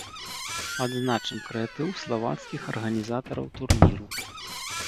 Адзначым крэатыў славацкіх арганізатараў турніру.